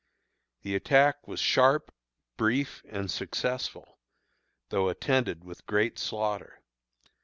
The attack was sharp, brief, and successful, though attended with great slaughter.